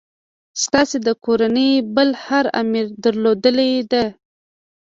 ستاسي د کورنۍ بل هر امیر درلودلې ده.